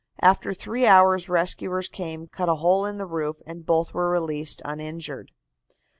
After three hours rescuers came, cut a hole in the roof and both were released uninjured.